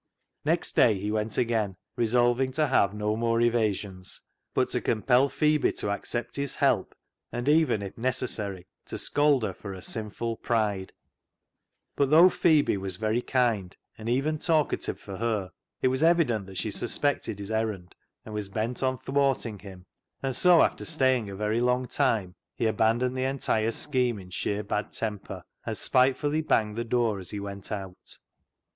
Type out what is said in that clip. Next day he went again, resolving to have no more evasions, but to compel Phebe to accept his help, and even if necessary to scold her for her sinful pride. But though Phebe A DIPLOMATIC REVERSE 231 was very kind, and even talkative for her, it was evident that she suspected his errand, and was bent on thwarting him, and so after stay ing a very long time he abandoned the entire scheme in sheer bad temper, and spitefully banged the door as he went out.